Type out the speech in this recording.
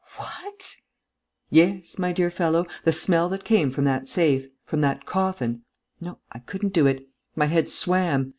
"What?" "Yes, my dear fellow, the smell that came from that safe ... from that coffin.... No, I couldn't do it ... my head swam....